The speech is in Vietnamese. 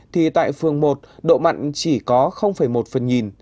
thì tại phường một độ mặn chỉ có một phần nghìn